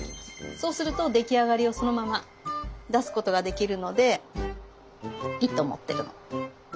そうすると出来上がりをそのまま出すことができるのでいいと思ってるの。